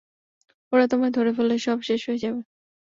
ওরা তোমায় ধরে ফেললে, সব শেষ হয়ে যাবে।